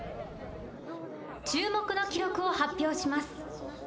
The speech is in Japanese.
注目の記録を発表します。